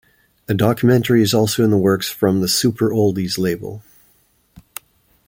A documentary is also in the works from the Super Oldies label.